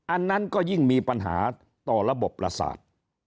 อันนั้นก็ยิ่งมีปัญหาต่อระบบประสาท